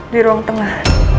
di ruang tengah